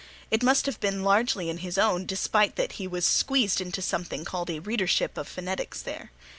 It must have been largely in his own despite that he was squeezed into something called a Readership of phonetics there.